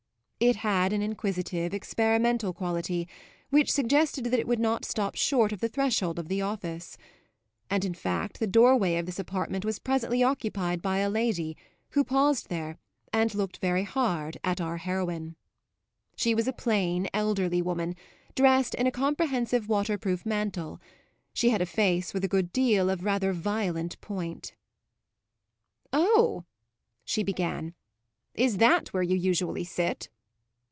It had an inquisitive, experimental quality which suggested that it would not stop short of the threshold of the office; and in fact the doorway of this apartment was presently occupied by a lady who paused there and looked very hard at our heroine. She was a plain, elderly woman, dressed in a comprehensive waterproof mantle; she had a face with a good deal of rather violent point. "Oh," she began, "is that where you usually sit?"